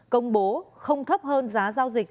công bố không thấp hơn giá giao dịch